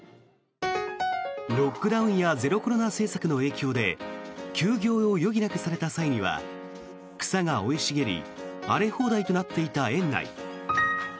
ロックダウンやゼロコロナ政策の影響で休業を余儀なくされた際には草が生い茂り荒れ放題となっていた園内。